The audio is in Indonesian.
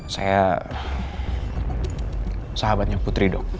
saya sahabatnya putri dok